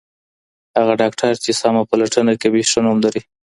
هغه ډاکټر چي سمه پلټنه کوي ښه نوم لري.